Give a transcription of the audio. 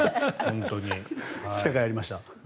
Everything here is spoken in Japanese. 来たかいありました。